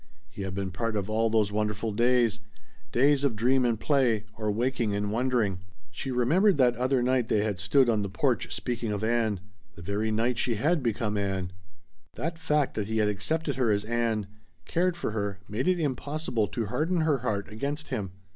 He had been part of all those wonderful days days of dream and play, or waking and wondering. She remembered that other night they had stood on the porch speaking of Ann the very night she had become Ann. That fact that he had accepted her as Ann cared for her made it impossible to harden her heart against him.